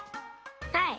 はい！